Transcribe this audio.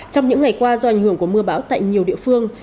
trong những ngày qua do ảnh hưởng của mưa bão tại nhiều địa phương